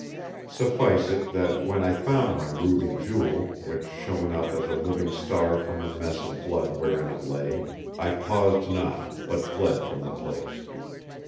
Suffice it, that when I found my Ruby Jewel, which shone up as a living star from the mess of blood wherein it lay, I paused not, but fled from the place.